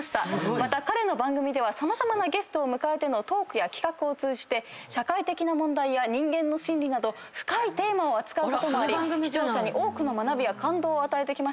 また彼の番組では様々なゲストを迎えてのトークや企画を通じて社会的な問題や人間の心理など深いテーマを扱うこともあり視聴者に多くの学びや感動を与えてきました」